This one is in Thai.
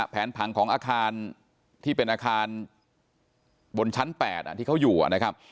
ผังของอาคารที่เป็นอาคารบนชั้น๘ที่เขาอยู่นะครับ